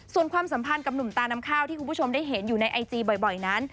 ส่วนความสัมพันธ์กับหนุ่มตาน้ำข้าวที่คุณผู้ชมได้เห็นอยู่ในไอจีบ่อยนั้น